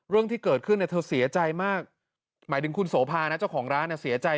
เรื่องที่เกิดขึ้นเธอเสียใจมากหมายถึงคุณโสภานะเจ้าของร้านเสียใจ